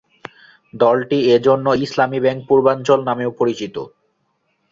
দলটি এ জন্য ইসলামী ব্যাংক পূর্বাঞ্চল নামেও পরিচিত।